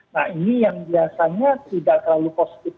nah ini yang biasanya tidak terlalu positif